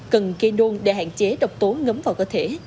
cần kê đôn để hạn chế độc tố ngấm vào cơ thể